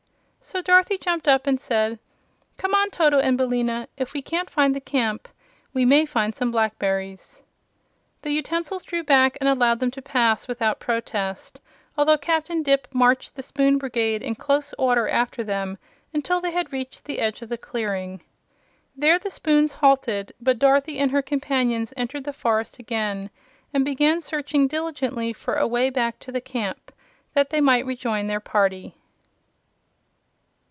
So Dorothy jumped up and said: "Come on, Toto and Billina. If we can't find the camp, we may find some blackberries." The utensils drew back and allowed them to pass without protest, although Captain Dipp marched the Spoon Brigade in close order after them until they had reached the edge of the clearing. There the spoons halted; but Dorothy and her companions entered the forest again and began searching diligently for a way back to the camp, that they might rejoin their party.